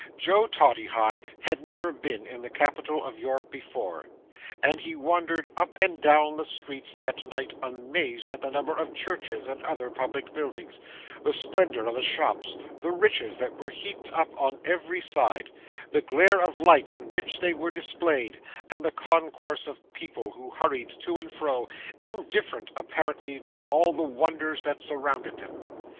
Joe Toddyhigh had never been in the capital of Europe before, and he wandered up and down the streets that night amazed at the number of churches and other public buildings, the splendour of the shops, the riches that were heaped up on every side, the glare of light in which they were displayed, and the concourse of people who hurried to and fro, indifferent, apparently, to all the wonders that surrounded them.